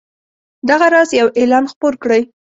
دغه راز یو اعلان خپور کړئ.